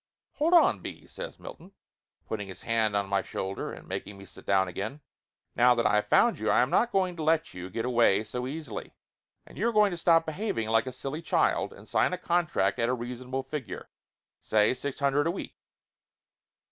"Hold on, B.," says Milton, putting his hand on my shoulder and making me sit down again. "Now that I have found you, I am not going to let you get away so easily. And you are going to stop behaving like a silly child and sign a contract at a reasonable figure say, six hundred a week."